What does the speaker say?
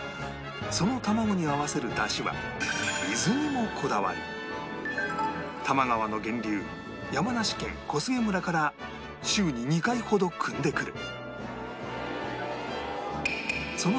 その卵に合わせる出汁は水にもこだわり多摩川の源流山梨県小菅村から週に２回ほどくんでくる